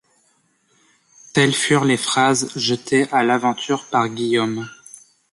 Telles furent les phrases jetées à l’aventure par Guillaume.